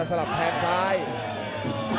โอ้โหต่อกับทีมซ้ายโอ้โหโอ้โห